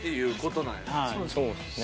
そうですね。